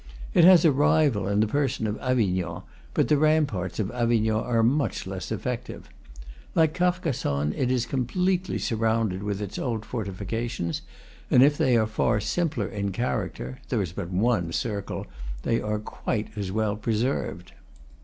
It has a rival in the person of Avignon, but the ramparts of Avignon are much less effective. Like Carcassonne, it is completely sur rounded with its old fortifications; and if they are far simpler in character (there is but one circle), they are quite as well preserved.